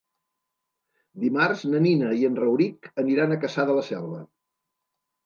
Dimarts na Nina i en Rauric aniran a Cassà de la Selva.